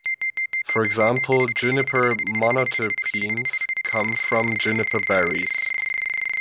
For example, juniper monoterpenes come from juniper berries.